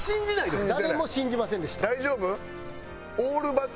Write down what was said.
大丈夫？